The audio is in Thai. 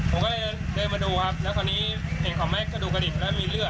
ผมก็เลยเดินมาดูครับแล้วคราวนี้เห็นเขาไหมกระดูกกระดิบแล้วมีเลือด